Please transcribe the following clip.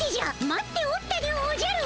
待っておったでおじゃる。